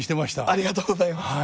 ありがとうございます。